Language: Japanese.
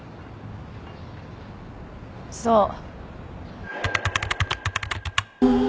そう。